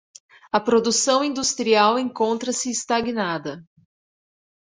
A produção industrial encontra-se estagnada